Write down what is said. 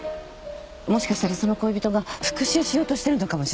もしかしたらその恋人が復讐しようとしてるのかもしれない。